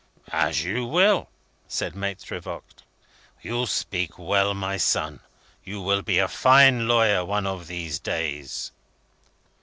"As you will," said Maitre Voigt. "You speak well, my son. You will be a fine lawyer one of these days."